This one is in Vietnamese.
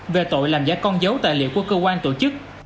về tội làm giả con dấu tài liệu của cơ quan tổ chức